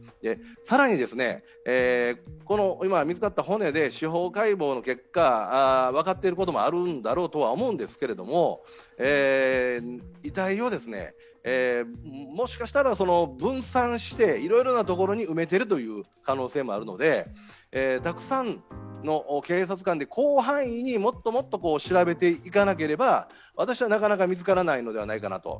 更に、今見つかった骨で司法解剖の結果、分かっていることもあるんだろうとは思うんですけれども遺体をもしかしたら分散していろいろな所に埋めている可能性もあるのでたくさんの警察官で広範囲にもっともっと調べていかなければなかなか見つからないのではないかなと。